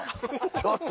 ちょっと。